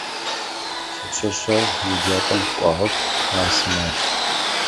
Сипшъэшъэгъу еджапӏэм кӏуагъэп: ар сымадж.